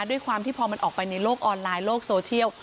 ด้วยความที่พอมันออกไปในโลกออนไลน์โลกโซเชียล